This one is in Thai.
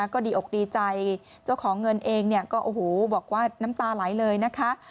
ก็ดีอกดีใจเจ้าของเงินเองเนี่ยก็โอ้โหบอกว่าน้ำตาไหลเลยนะคะ